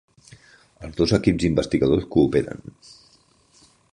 Els dos equips d'investigadors cooperen.